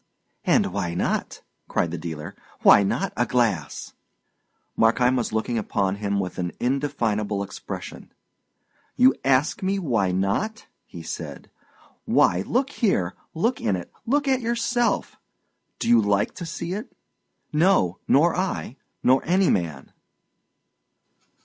"And why not?" cried the dealer. "Why not a glass?" Markheim was looking upon him with an indefinable expression. "You ask me why not?" he said. "Why, look here look in it look at yourself! Do you like to see it? No! nor I nor any man."